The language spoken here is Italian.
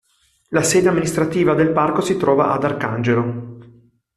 La sede amministrativa del parco si trova ad Arcangelo.